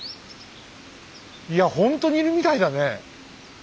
いやほんとにいるみたいだね。